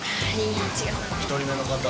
１人目の方。